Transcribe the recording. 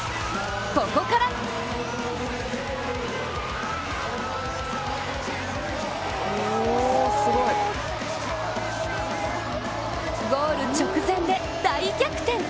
ここからゴール直前で大逆転！